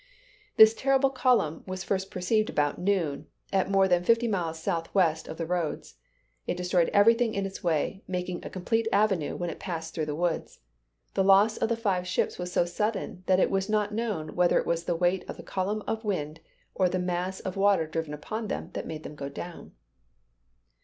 "This terrible column was first perceived about noon, at more than fifty miles southwest of the roads. It destroyed everything in its way, making a complete avenue when it passed through the woods. The loss of the five ships was so sudden that it is not known whether it was the weight of the column of wind, or the mass of water driven upon them that made them go down."